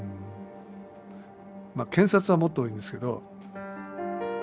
検察はもっと多いですけど。